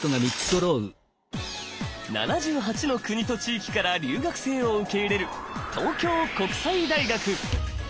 ７８の国と地域から留学生を受け入れる東京国際大学。